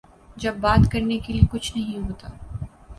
جب بات کرنے کیلئے کچھ نہیں ہوتا۔